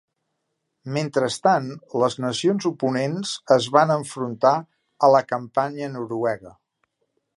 Mentrestant, las nacions oponents es van enfrontar a la campanya noruega.